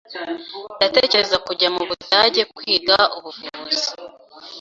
Ndatekereza kujya mu Budage kwiga ubuvuzi.